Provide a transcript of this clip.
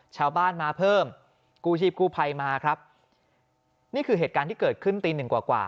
ชาวบ้านมาเพิ่มกู้ชีพกู้ภัยมาครับนี่คือเหตุการณ์ที่เกิดขึ้นตีหนึ่งกว่ากว่า